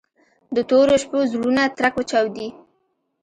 د تورو شپو زړونه ترک وچاودي